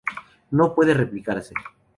No puede replicarse.